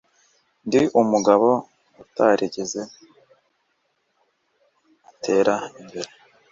ndi umugabo utarigeze atera imbere